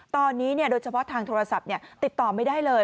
ตอนนี้โดยเฉพาะทางโทรศัพท์ติดต่อไม่ได้เลย